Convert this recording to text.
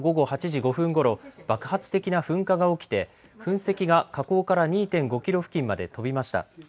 鹿児島県の桜島できょう午後８時５分ごろ爆発的な噴火が起きて噴石が火口から２．５キロ付近まで飛びました。